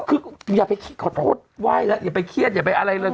คืออย่าไปคิดขอโทษไหว้แล้วอย่าไปเครียดอย่าไปอะไรเลย